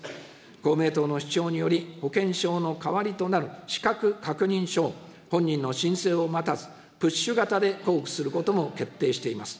公明党の主張により、保険証の代わりとなる資格確認書を、本人の申請を待たず、プッシュ型で交付することも決定しています。